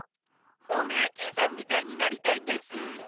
ホネーキンさんみたいになりたいんです。